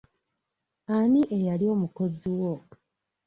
Ani eyali omukozi wo?